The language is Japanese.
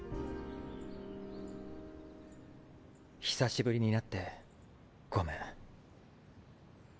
久しぶりになってごめん。